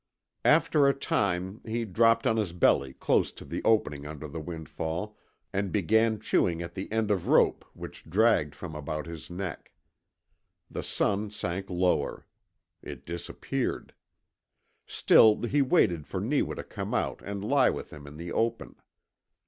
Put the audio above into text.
After a time he dropped on his belly close to the opening under the windfall and began chewing at the end of rope which dragged from about his neck. The sun sank lower. It disappeared. Still he waited for Neewa to come out and lie with him in the open.